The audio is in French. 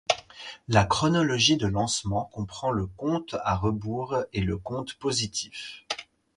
La chronologie de lancement comprend le compte à rebours et le compte positif.